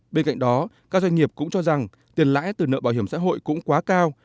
bên cạnh đó các doanh nghiệp cũng cho rằng tiền lãi từ nợ bảo hiểm xã hội cũng quá cao